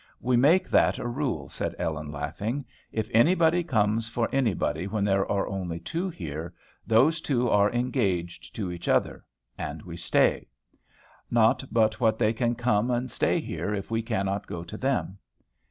"We make that a rule," said Ellen laughing. "If anybody comes for anybody when there are only two here, those two are engaged to each other; and we stay. Not but what they can come and stay here if we cannot go to them."